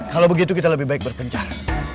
kalau begitu kita lebih baik berpencar